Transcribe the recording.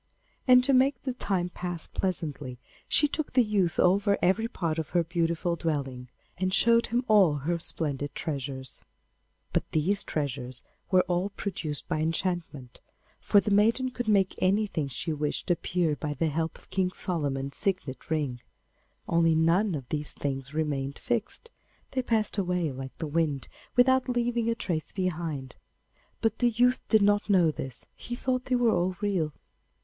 And to make the time pass pleasantly, she took the youth over every part of her beautiful dwelling, and showed him all her splendid treasures. But these treasures were all produced by enchantment, for the maiden could make anything she wished appear by the help of King Solomon's signet ring; only none of these things remained fixed; they passed away like the wind without leaving a trace behind. But the youth did not know this; he thought they were all real.